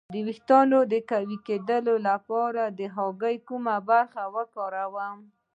د ویښتو د قوي کیدو لپاره د هګۍ کومه برخه وکاروم؟